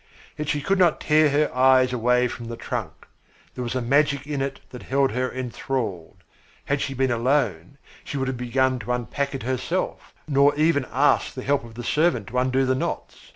Yet she could not tear her eyes away from the trunk. There was a magic in it that held her enthralled. Had she been alone she would have begun to unpack it herself, nor even have asked the help of a servant to undo the knots.